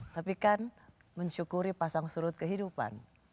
tapi kan mensyukuri pasang surut kehidupan